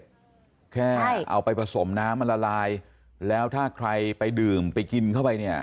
แค่เอาไปผสมน้ำมันละลายแล้วถ้าใครไปดื่มไปกินเข้าไปเนี่ย